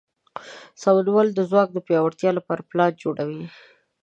سمونوال د ځواک د پیاوړتیا لپاره پلان جوړوي.